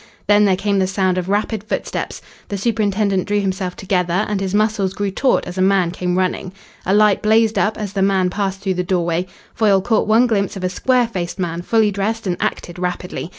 Then there came the sound of rapid footsteps. The superintendent drew himself together, and his muscles grew taut as a man came running. A light blazed up as the man passed through the doorway. Foyle caught one glimpse of a square faced man fully dressed and acted rapidly.